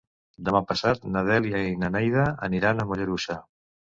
Demà passat na Dèlia i na Neida aniran a Mollerussa.